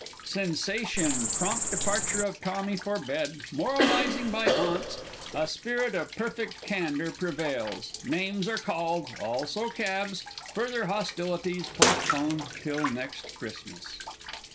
[Sensation; Prompt departure of TOMMY _for bed; moralising by Aunts; a spirit of perfect candour prevails; names are called also cabs; further hostilities postponed till next Christmas_.